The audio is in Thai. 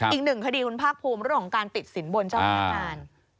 อีกหนึ่งคดีคุณภาคภูมิเรื่องของการติดสินบนเจ้าพนักงาน